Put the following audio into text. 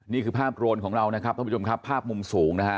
นี่คือภาพโรนของเรานะครับท่านผู้ชมครับภาพมุมสูงนะฮะ